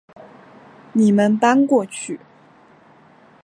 你们搬过去